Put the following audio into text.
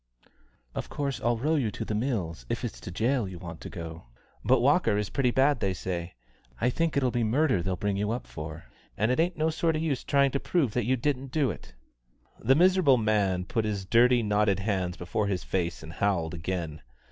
"Of course I'll row you to The Mills, if it's to jail you want to go; but Walker is pretty bad, they say. I think it'll be murder they'll bring you up for; and it ain't no sort of use trying to prove that you didn't do it!" The miserable man put his dirty knotted hands before his face and howled again.